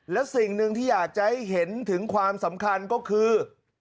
และสิ่งหนึ่งที่อยากจะให้เห็นถึงความสำคัญก็คือ